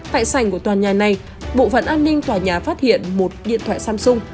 tại sành của tòa nhà này bộ phận an ninh tòa nhà phát hiện một điện thoại samsung